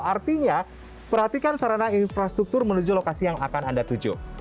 artinya perhatikan sarana infrastruktur menuju lokasi yang akan anda tuju